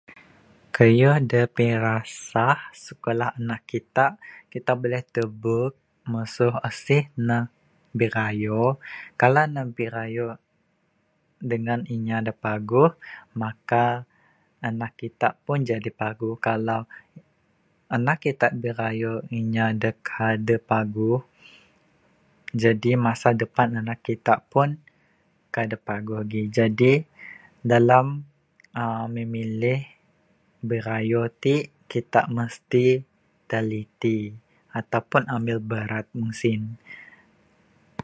Keyuh dak pirasah sikulah anak kita, kita boleh tebuk mesu asih ne birayo. Kalau ne birayo dengan inya dak paguh maka anak kita pun jadi paguh kalau anak kita birayo inya dak kade paguh jadi masa depan anak kita pun kai dak paguh gi jadi dalam uhh memilih birayo t, kita mesti teliti ataupun ambil berat mung sien.